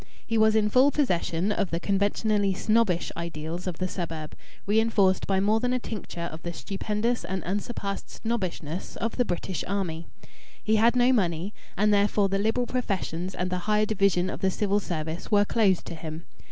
He was in full possession of the conventionally snobbish ideals of the suburb, reinforced by more than a tincture of the stupendous and unsurpassed snobbishness of the British Army. He had no money, and therefore the liberal professions and the higher division of the Civil Service were closed to him.